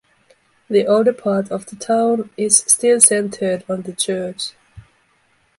The older part of the town is still centred on the church.